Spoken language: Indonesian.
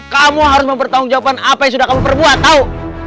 kamu harus mempertanggung jawaban apa yang sudah kamu perbuat tau